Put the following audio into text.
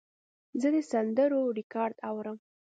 زه د سندرو ریکارډ اورم.